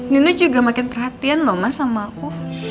nino juga makin perhatian loh ma sama aku